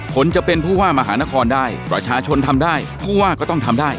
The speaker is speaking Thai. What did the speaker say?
ผลจะเป็นผู้ว่ามหานครได้ประชาชนทำได้ผู้ว่าก็ต้องทำได้